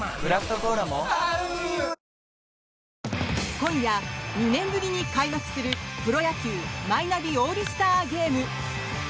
今夜、２年ぶりに開幕するプロ野球マイナビオールスターゲーム。